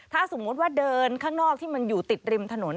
ถ้าสมมุติว่าเดินข้างนอกที่มันอยู่ติดริมถนน